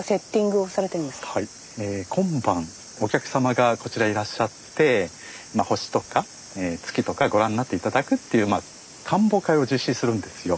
今晩お客様がこちらいらっしゃって星とか月とかご覧になって頂くっていう観望会を実施するんですよ。